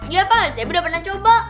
iya pa debbie udah pernah coba